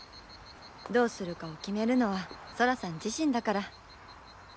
どうするかを決めるのはソラさん自身だから。